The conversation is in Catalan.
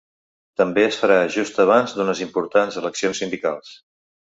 També es farà just abans d’unes importants eleccions sindicals.